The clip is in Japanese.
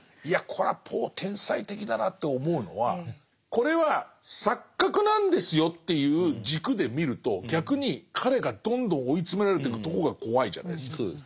いやこれはポー天才的だなと思うのはこれは錯覚なんですよっていう軸で見ると逆に彼がどんどん追い詰められてくとこが怖いじゃないですか。